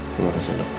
terima kasih dok